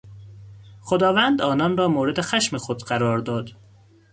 خداوند آنان را مورد خشم خود قرار داد.